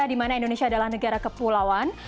dimana indonesia adalah negara kepulauan